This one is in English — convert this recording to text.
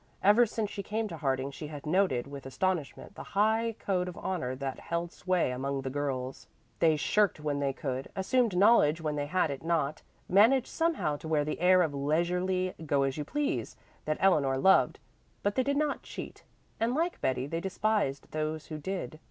Ever since she came to Harding she had noted with astonishment the high code of honor that held sway among the girls. They shirked when they could, assumed knowledge when they had it not, managed somehow to wear the air of leisurely go as you please that Eleanor loved; but they did not cheat, and like Betty they despised those who did.